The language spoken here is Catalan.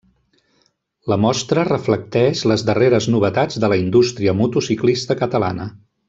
La mostra reflecteix les darreres novetats de la indústria motociclista catalana.